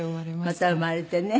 また生まれてね。